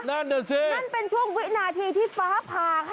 นั่นเป็นช่วงวินาทีที่ฟ้าผ่าค่ะ